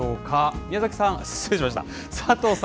宮崎さん、失礼しました。